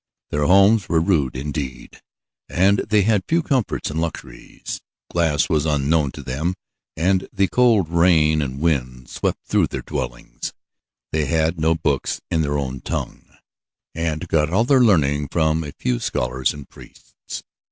Their homes were rude indeed, and they had few comforts and luxuries. Glass was unknown to them, and the cold rain and wind swept through their dwellings. They had no books in their own tongue, and got all their learning from a few scholars and priests.